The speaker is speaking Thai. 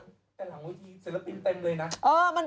แต่หลังเวทีเศรษฐีเต็มเลยนะ